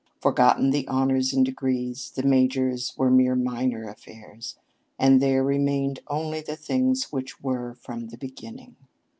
Forgotten the honors and degrees; the majors were mere minor affairs; and there remained only the things which were from the beginning.